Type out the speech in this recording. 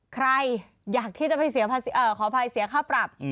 ใครอยากที่จะไปเสียค่าปรับ